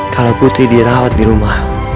kalau putri dirawat di rumah